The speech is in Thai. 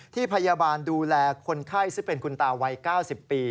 พยาบาลดูแลคนไข้ซึ่งเป็นคุณตาวัย๙๐ปี